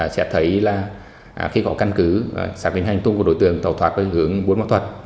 sẽ thấy là khi có căn cứ xác định hành tung của đối tượng tàu thoát với hướng bốn mẫu thuật